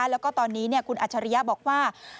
แล้วก็ตอนนี้คุณอัจฉริยะบอกว่า